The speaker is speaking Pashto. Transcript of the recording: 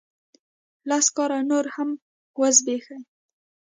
لس کاله نور هم وزبیښي